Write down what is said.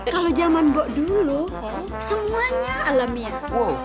kalau zaman bok dulu semuanya alamiah